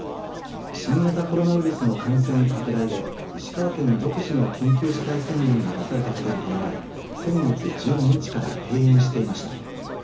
新型コロナウイルスの感染拡大で石川県独自の緊急事態宣言が出されたことに伴い先月１２日から閉園していました。